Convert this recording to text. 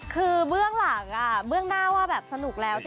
คือเบื้องหลังเบื้องหน้าว่าแบบสนุกแล้ว